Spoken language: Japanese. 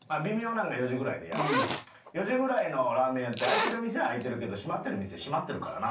４時ぐらいのラーメン屋って開いてる店は開いてるけど閉まってる店閉まってるからな。